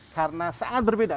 karena sangat berbeda